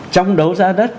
trong đấu giá đất